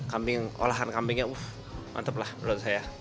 kambing olahan kambingnya uh mantep lah menurut saya